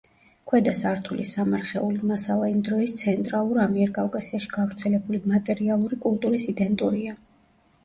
ქვედა სართულის სამარხეული მასალა იმ დროის ცენტრალურ ამიერკავკასიაში გავრცელებული მატერიალური კულტურის იდენტურია.